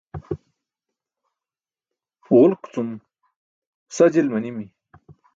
Ġulk cum sa jil manimi.